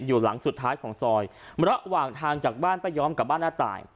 อยู่หลังสุดท้ายของซอยระหว่างทางจากบ้านป้าย้อมกับบ้านน้าตาย